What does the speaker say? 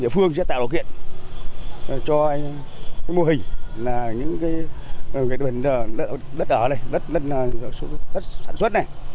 nhà phương sẽ tạo được kiện cho mô hình là những cái đất ở đây đất sản xuất này